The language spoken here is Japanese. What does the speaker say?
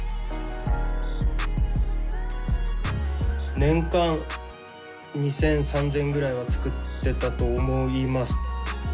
年間２，０００３，０００ぐらいは作ってたと思います。